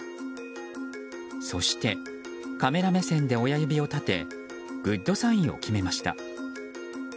そして、カメラ目線で親指を立てグッドサインを決めました。